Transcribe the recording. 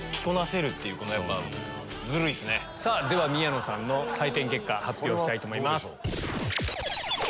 では宮野さんの採点結果発表したいと思います。